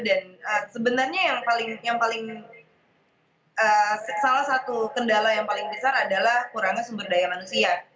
dan sebenarnya yang paling yang paling salah satu kendala yang paling besar adalah kurangnya sumber daya manusia